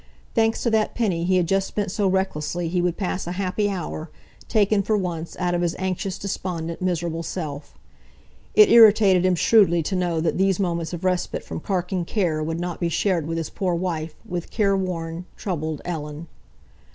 Thanks to that penny he had just spent so recklessly he would pass a happy hour, taken, for once, out of his anxious, despondent, miserable self. It irritated him shrewdly to know that these moments of respite from carking care would not be shared with his poor wife, with careworn, troubled Ellen.